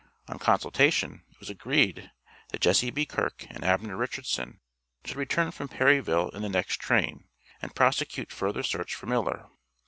On consultation, it was agreed that Jesse B. Kirk and Abner Richardson should return from Perryville in the next train, and prosecute further search for Miller.